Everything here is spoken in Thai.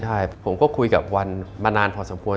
ใช่ผมก็คุยกับวันมานานพอสมควร